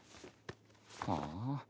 はあ？